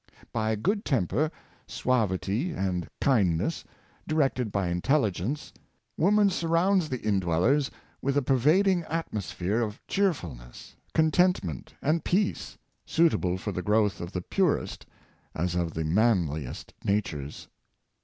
By good temper, suavity and kindness, directed by in telligence, woman surrounds the in dwellers with a per vading atmosphere of cheerfulness, contentment, and peace, suitable for the growth of the purest as of the manliest natures.